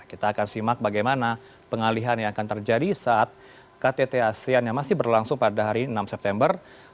kita akan simak bagaimana pengalihan yang akan terjadi saat ktt asean yang masih berlangsung pada hari enam september